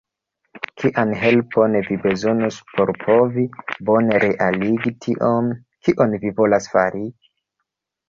Kian helpon vi bezonus por povi bone realigi tion kion vi volas fari?